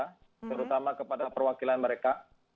terutama kepada perwakilan mereka